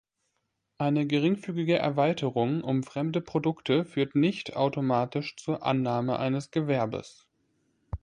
Eine geringfügige Erweiterung um fremde Produkte führt nicht automatisch zur Annahme eines Gewerbes.